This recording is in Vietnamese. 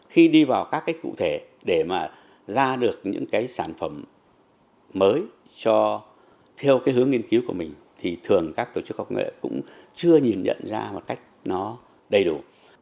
thì thường các tổ chức khoa học công nghệ cũng chưa nhìn nhận ra một cách nó đầy đủ